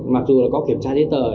mặc dù có kiểm tra thế tờ